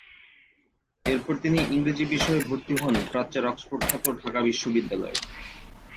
এরপর তিনি ইংরেজি বিষয়ে ভর্তি হন প্রাচ্যের অক্সফোর্ড খ্যাত ঢাকা বিশ্ববিদ্যালয়ে।